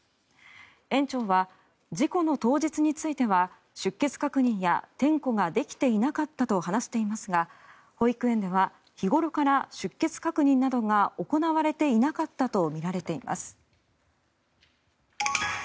園長は事故の当日については出欠確認や点呼ができていなかったと話していますが保育園では日頃から出欠確認などが行われていなかったとみられています。